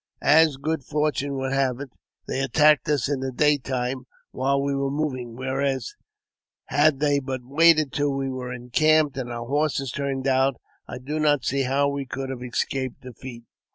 As good fortune would have it, they attacked us in the daytime, while we were moving ; whereas, had they but waited till we were encamped, and our horses turned out, I do not see how we could have escaped defeat.